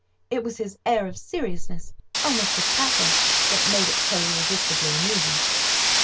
It was his air of seriousness, almost of pathos, that made it so irresistibly amusing.